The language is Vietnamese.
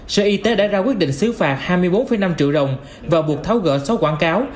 sở y tế đã ra quyết định xứ phạt hai mươi bốn năm triệu đồng và buộc tháo gỡ số quảng cáo